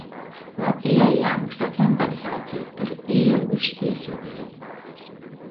Latvijai jāmaksā kompensācija par ieilgušu tiesvedību.